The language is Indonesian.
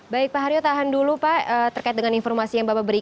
baik pak haryo tahan dulu pak terkait dengan informasi yang bapak berikan